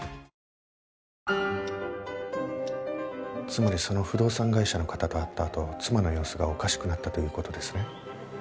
つまりその不動産会社の方と会ったあと妻の様子がおかしくなったという事ですね？